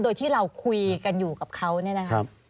โดยที่เราคุยกันอยู่กับเขาเนี่ยนะครับ